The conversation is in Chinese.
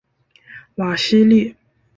瓦西利。